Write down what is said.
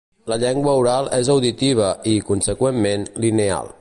La llengua oral és auditiva i, conseqüentment, lineal.